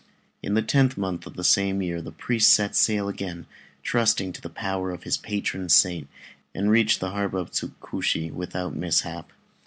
In the tenth month of the same year the priest again set sail, trusting to the power of his patron saint, and reached the harbour of Tsukushi without mishap.